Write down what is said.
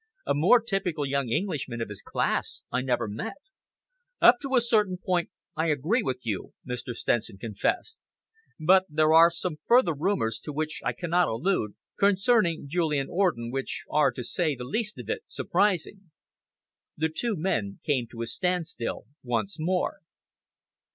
"A more typical young Englishman of his class I never met." "Up to a certain point I agree with you," Mr. Stenson confessed, "but there are some further rumours to which I cannot allude, concerning Julian. Orden, which are, to say the least of it, surprising." The two men came to a standstill once more.